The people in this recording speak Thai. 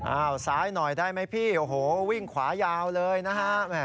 ซ้ายหน่อยได้ไหมพี่โอ้โหวิ่งขวายาวเลยนะฮะ